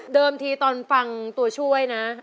ทีตอนฟังตัวช่วยนะ